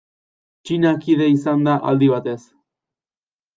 Txina kide izan da aldi batez.